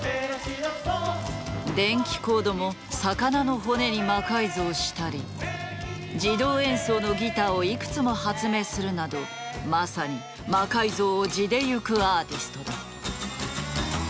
電気コードも魚の骨に魔改造したり自動演奏のギターをいくつも発明するなどまさに魔改造を地で行くアーティスト。